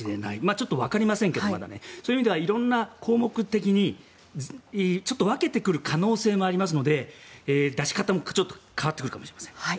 ちょっとわかりませんがそういう意味では項目的にちょっと分けてくる可能性もありますので出し方もちょっと変わってくるかもしれません。